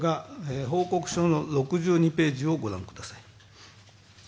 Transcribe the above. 次に６２ページをご覧ください。